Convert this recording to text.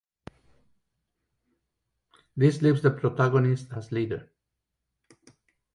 This leaves the protagonist as leader.